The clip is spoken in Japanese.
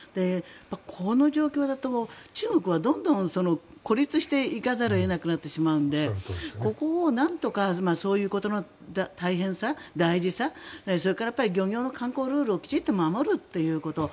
この状況だと中国はどんどん孤立していかざるを得なくなってしまうのでここをなんとかそういうことの大変さ大事さ、それから漁業の観光ルールをきちんと守るということ。